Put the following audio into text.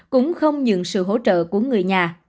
cũng không nhận sự hỗ trợ của người nhà